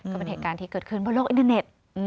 ก็เป็นเหตุการณ์ที่เกิดขึ้นบนโลกอินเทอร์เน็ต